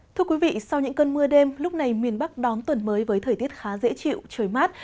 thưa quý vị sau những cơn mưa đêm lúc này miền bắc đón tuần mới với thời tiết khá dễ chịu trời mát